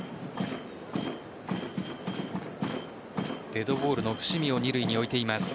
デッドボールの伏見を二塁に置いています。